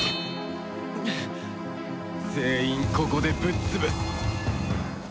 全員ここでぶっ潰す！